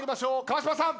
川島さん。